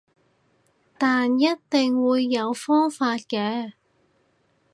但一定會有方法嘅